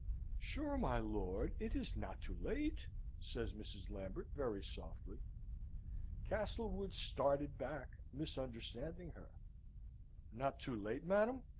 "Sure, my lord, it is not too late!" says Mrs. Lambert, very softly. Castlewood started back, misunderstanding her. "Not too late, madam?"